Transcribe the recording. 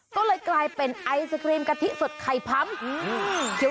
ก็เลยกลายเป็นไอศครีมกะทิสดไข่พำ